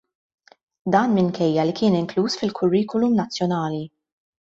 Dan minkejja li kien inkluż fil-Kurrikulum Nazzjonali.